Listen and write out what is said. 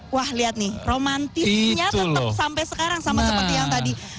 wah lihat nih romantisnya tetap sampai sekarang sama seperti yang tadi